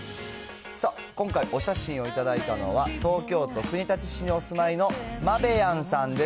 今回、お写真を頂いたのは、東京都国立市にお住まいの、まべやんさんです。